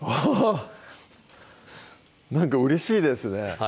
っなんかうれしいですね